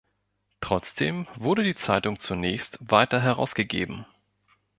Trotzdem wurde die Zeitung zunächst weiter herausgegeben.